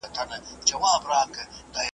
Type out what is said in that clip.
د ایران دربار له هر شي څخه ځانته بلا جوړوله.